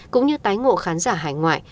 cũng như tái ngộ khán giả hải ngoại